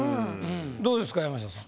どうですか山下さん。